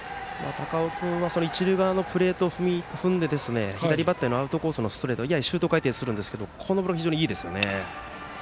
高尾君は一塁側のプレートを踏んで左バッターへのアウトコースのストレートややシュート回転するんですがこのボールが非常にいいですね。